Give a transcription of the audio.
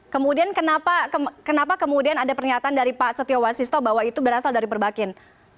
kemudian kenapa ada pernyataan dari pak setiawasisto bahwa itu berasal dari perbakin